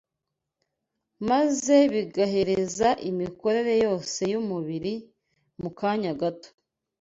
maze bigahereza imikorere yose y’umubiri mu kanya gato